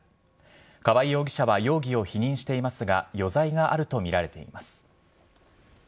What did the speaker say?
河合容疑者は容疑を否認していますが、余罪があると見られています。